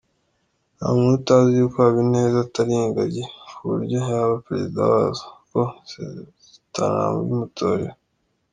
Nta muntu utazi yuko Habineza atari ingagi ku buryo yaba Perezida wazo, kuko zitanabimutorera.